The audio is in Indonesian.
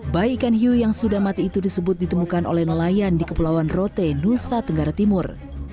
bayi ikan hiu yang sudah mati itu disebut ditemukan oleh nelayan di kepulauan rote nusa tenggara timur